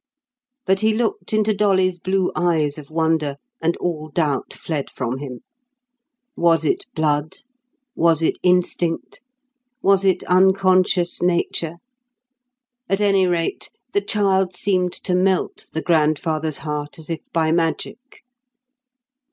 But he looked into Dolly's blue eyes of wonder, and all doubt fled from him. Was it blood? was it instinct? was it unconscious nature? At any rate, the child seemed to melt the grandfather's heart as if by magic.